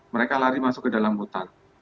mereka lari masuk ke dalam hutan